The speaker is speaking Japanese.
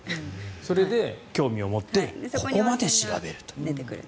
それで興味を持ってここまで調べるという。